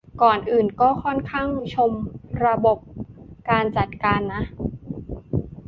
ก่อนอื่นก็ค่อนข้างชมระบบการจัดการนะ